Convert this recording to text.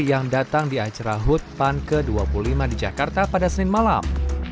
yang datang di acara hut pan ke dua puluh lima di jakarta pada senin malam